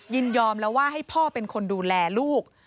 ยินยอมแล้วว่าให้พ่อเป็นคนดูแลลูก